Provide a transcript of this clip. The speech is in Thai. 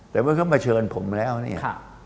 แต่เมื่อเขามาเชิญผมแล้วเนี่ย